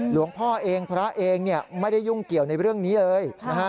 หลวงพ่อเองพระเองไม่ได้ยุ่งเกี่ยวในเรื่องนี้เลย